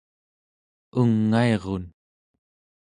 ungairun